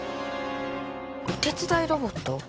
お手伝いロボット